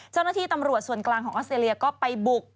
เจ้าหน้าที่ตำรวจส่วนกลางของออสเตรเลียก็ไปบุก